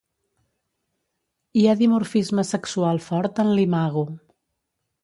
Hi ha dimorfisme sexual fort en l'imago.